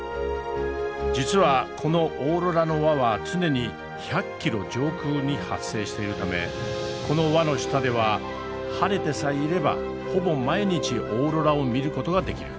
実はこのオーロラの輪は常に１００キロ上空に発生しているためこの輪の下では晴れてさえいればほぼ毎日オーロラを見る事ができる。